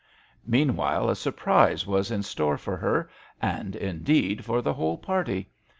" Meanwhile a surprise was in store for her, and, indeed, for the whole party.